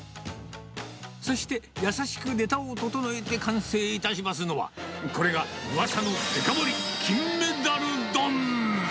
そして優しくネタを整えて完成いたしますのは、これがうわさのデカ盛り、金メダル丼。